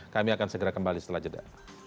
kami akan segera kembali setelah jeda